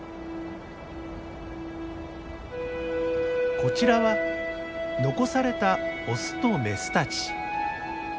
こちらは残されたオスとメスたち。